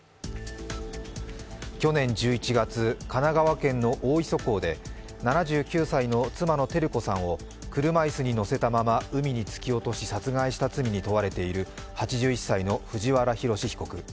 去年１１月、神奈川県の大磯港で７９歳の妻の照子さんを車いすに乗せたまま海に突き落とし殺害した罪に問われている８１歳の藤原宏被告。